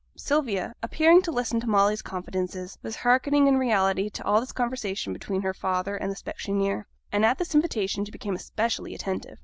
Sylvia, appearing to listen to Molly's confidences, was hearkening in reality to all this conversation between her father and the specksioneer; and at this invitation she became especially attentive.